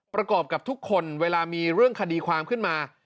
ประกอบกับทุกคนเวลามีเรื่องคดีความขึ้นมา